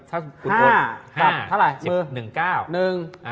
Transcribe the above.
ถ้าคุณโอน๕เท่าไรมือ